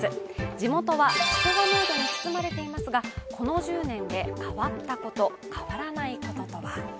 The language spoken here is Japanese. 地元は祝賀ムードに包まれていますが、この１０年で変わったこと変わらないこととは。